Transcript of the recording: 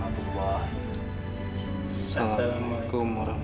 assalamualaikum wr wb